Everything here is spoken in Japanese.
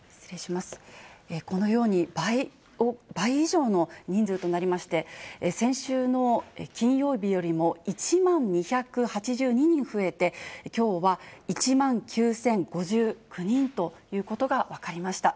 このように倍以上の人数となりまして、先週の金曜日よりも１万２８２人増えて、きょうは１万９０５９人ということが分かりました。